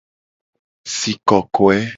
Si kokoe.